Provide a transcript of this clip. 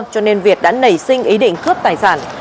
cho nên việt đã nảy sinh ý định cướp tài sản